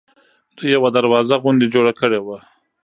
دوی یوه دروازه غوندې جوړه کړې وه.